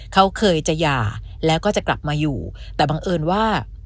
เขาเคยจะหย่าแล้วก็จะกลับมาอยู่แต่บังเอิญว่า